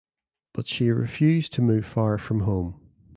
But she refused to move far from home.